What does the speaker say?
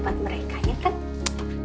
buat mereka ya kan